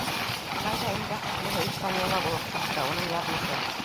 Шулай ҙа иң бәхетлеһе «Испаньола» булып сыҡты, уның яҙмышы: